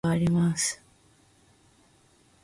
川崎市中原区には等々力陸上競技場があります。